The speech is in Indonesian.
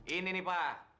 ini nih pak